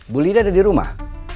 bu lidah ada di rumah